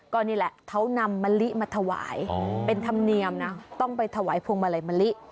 ก็นี่แหละเขานำมะลิมาถวายเป็นธรรมเนียมนะต้องไปถวายพวงมาลัยมะลิ